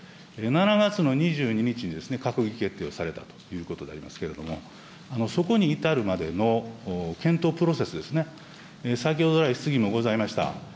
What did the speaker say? ７月の２２日に閣議決定をされたということでありますけれども、そこに至るまでの検討プロセスですね、先ほど来、質疑もございました。